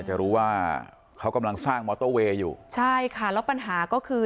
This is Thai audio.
จะรู้ว่าเขากำลังสร้างมอเตอร์เวย์อยู่ใช่ค่ะแล้วปัญหาก็คือ